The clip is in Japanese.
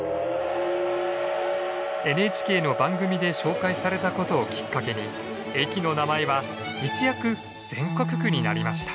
ＮＨＫの番組で紹介されたことをきっかけに駅の名前は一躍全国区になりました。